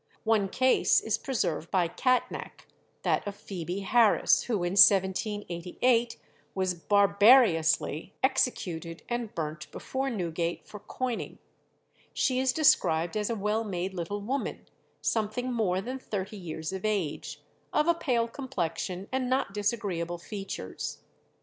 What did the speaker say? One case is preserved by Catnach, that of Phoebe Harris, who in 1788 was "barbariously" (sic in the broadsheet) executed and burnt before Newgate for coining. She is described as a well made little woman, something more than thirty years of age, of a pale complexion and not disagreeable features.